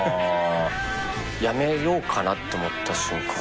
辞めようかなと思った瞬間。